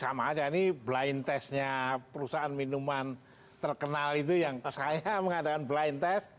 sama aja ini blind testnya perusahaan minuman terkenal itu yang saya mengadakan blind test